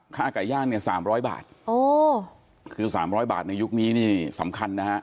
ค่าไก่ย่างเนี่ยสามร้อยบาทโอ้คือสามร้อยบาทในยุคนี้นี่สำคัญนะฮะ